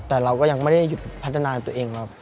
แต่เราก็ยังไม่ได้หยุดพัฒนาตัวเองครับ